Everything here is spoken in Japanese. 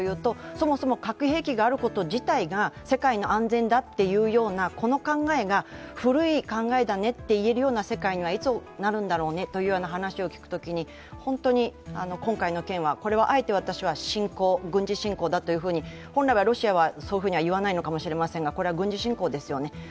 そもそも核兵器があること自体が世界の安全だというような、この考えが古い考えだねって言えるような世界にはいつなるんだろうねという話を聞くときに、本当に今回の件は、これはあえて私は侵攻、軍事侵攻だと、ロシアはそうは言わないかもしれませんがこれは軍事侵攻ですよね。